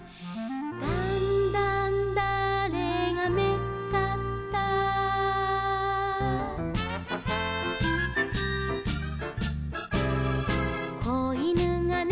「だんだんだあれがめっかった」「子いぬがね